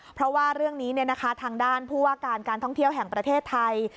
เพราะว่าเรื่องนี้ทางด้านผู้ว่าการการท่องเที่ยวแห่งประเทศไทย